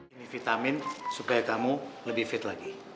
ini vitamin supaya kamu lebih fit lagi